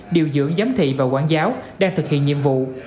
điều dưỡng giám thị và quản giáo đang thực hiện nhiệm vụ